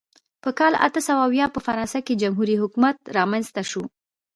په کال اته سوه اویا په فرانسه کې جمهوري حکومت رامنځته شو.